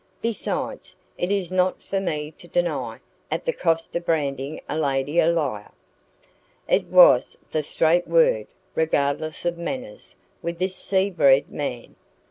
Besides, it is not for me to deny at the cost of branding a lady a liar." It was the straight word, regardless of manners, with this sea bred man.